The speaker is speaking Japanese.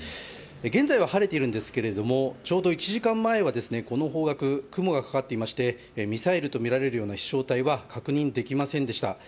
現在は晴れているんですけど、ちょうど１時間前はこの方角、雲がかかっていましてミサイルとみられる飛翔体は確認できませんでした。